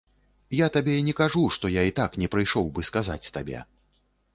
Я табе не кажу, што я і так не прыйшоў бы сказаць табе.